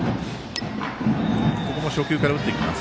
初球から打っていきます。